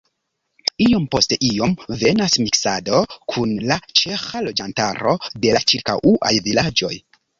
Iom post iom venas miksado kun la ĉeĥa loĝantaro de la ĉirkaŭaj vilaĝoj.